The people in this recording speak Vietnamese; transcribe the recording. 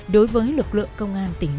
đối với các đơn vị